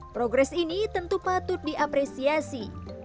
progres ini tentu patut diapresiasi